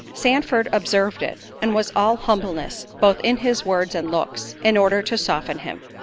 Sandford observed it, and was all humbleness, both in his words and looks, in order to soften him.